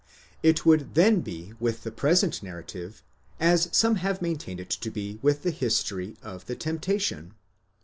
It would then be with the present narrative as some have maintained it to be with the history of the temptation.